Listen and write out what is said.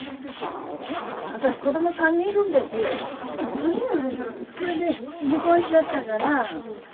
３人もいらっしゃるんですか。